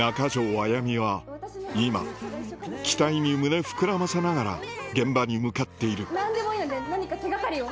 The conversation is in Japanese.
あやみは今期待に胸膨らませながら現場に向かっている何でもいいので何か手掛かりを。